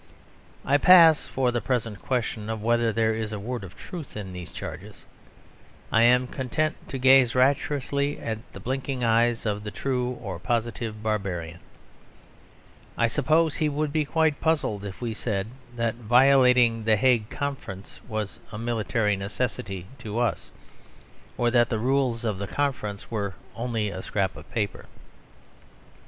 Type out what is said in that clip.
I pass for the present the question of whether there is a word of truth in these charges. I am content to gaze rapturously at the blinking eyes of the True, or Positive, Barbarian. I suppose he would be quite puzzled if we said that violating the Hague Conference was "a military necessity" to us; or that the rules of the Conference were only a scrap of paper.